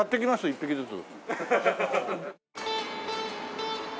１匹ずつ。